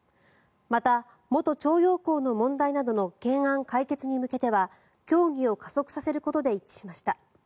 また、元徴用工の問題などの懸案解決に向けては協議を加速させることで一致しました。